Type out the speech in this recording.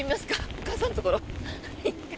お母さんのところ。